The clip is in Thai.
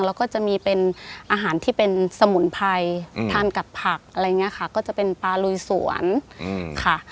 แล้วก็จะมีเป็นอาหารที่เป็นสมุนไพรทานกับผักอะไรอย่างนี้ค่ะก็จะเป็นปลาลุยสวนค่ะ